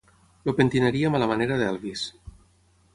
El pentinaríem a la manera d'Elvis.